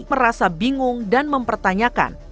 merasa bingung dan mempertanyakan